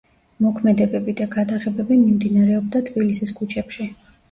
მოქმედებები და გადაღებები მიმდინარეობდა თბილისის ქუჩებში.